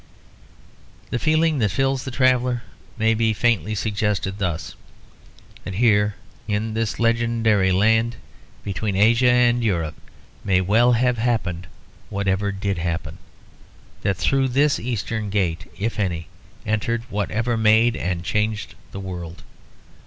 The feeling that fills the traveller may be faintly suggested thus; that here, in this legendary land between Asia and Europe, may well have happened whatever did happen; that through this Eastern gate, if any, entered whatever made and changed the world.